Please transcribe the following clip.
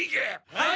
はい！